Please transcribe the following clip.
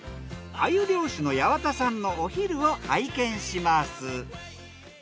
鮎漁師の矢幡さんのお昼を拝見します。